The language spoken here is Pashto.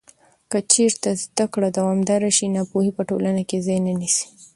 که چېرته زده کړه دوامداره شي، ناپوهي په ټولنه کې ځای نه نیسي.